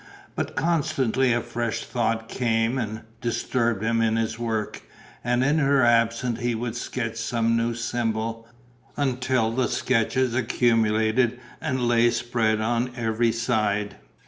But constantly a fresh thought came and disturbed him in his work; and in her absence he would sketch some new symbol, until the sketches accumulated and lay spread on every side.